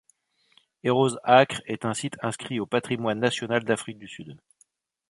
Heroes' Acre est un site inscrit au patrimoine national d'Afrique du Sud.